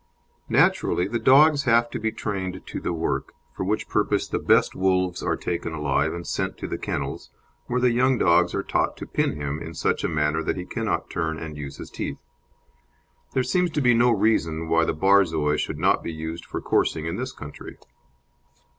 Naturally, the dogs have to be trained to the work, for which purpose the best wolves are taken alive and sent to the kennels, where the young dogs are taught to pin him in such a manner that he cannot turn and use his teeth. There seems to be no reason why the Borzoi should not be used for coursing in this country.